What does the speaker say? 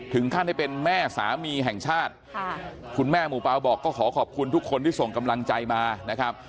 ท่านได้เป็นแม่สามีแห่งชาติคุณแม่หมู่เปล่าบอกก็ขอขอบคุณทุกคนที่ส่งกำลังใจมานะครับ